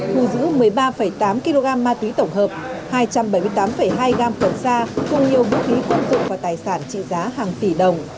hù giữ một mươi ba tám kg ma túy tổng hợp hai trăm bảy mươi tám hai gam phần xa cùng nhiều bức lý quân dụng và tài sản trị giá hàng tỷ đồng